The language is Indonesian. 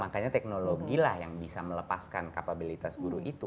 makanya teknologilah yang bisa melepaskan kapabilitas guru itu